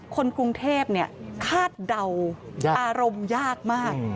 คนกรุงเทพคาดเดาอารมณ์ยากมาก